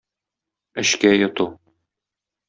Эчкә йоту.